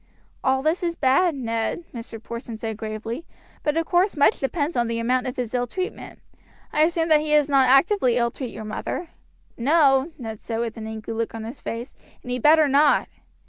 "All this is bad, Ned," Mr. Porson said gravely; "but of course much depends upon the amount of his ill treatment. I assume that he does not actively ill treat your mother." "No," Ned said with an angry look in his face; "and he'd better not."